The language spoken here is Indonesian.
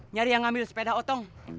nyari yang ngambil sepeda otong